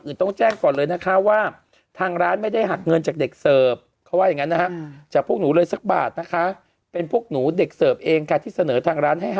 อ๋ออึอ่างที่คังคลมันมีพิษไม่มันต้องดึงมีเส้นเห